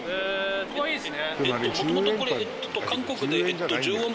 かわいいですね。